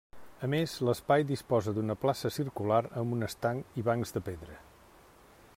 A més, l'espai disposa d'una plaça circular amb un estanc i bancs de pedra.